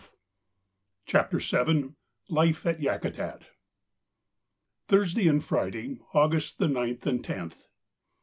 CHAPTER VII LIFE AT YAKUTAT _Thursday and Friday, August the 9th and 10th.